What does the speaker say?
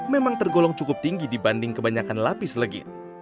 memang tergolong cukup tinggi dibanding kebanyakan lapis legit